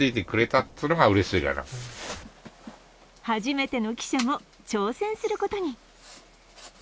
初めての記者も挑戦することに。